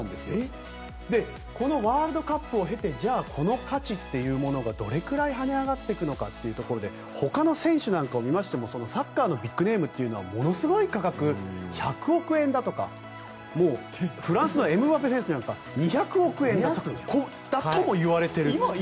このワールドカップを経てじゃあこの価値っていうものがどれくらい跳ね上がっていくのかというところでほかの選手なんかを見ましてもサッカーのビッグネームというのはものすごい価格１００億円だとかもうフランスのエムバペ選手は２００億円ともいわれている。